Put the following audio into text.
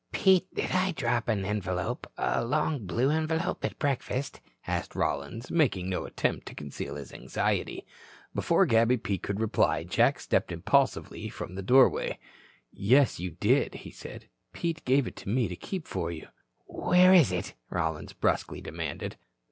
"Pete, did I drop an envelope a long blue envelope at breakfast?" asked Rollins, making no attempt to conceal his anxiety. Before Gabby Pete could reply, Jack stepped impulsively from the doorway. "Yes, you did," said he. "Pete gave it to me to keep for you." "Where is it?" Rollins brusquely demanded.